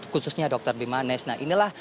khususnya dr bimanes nah inilah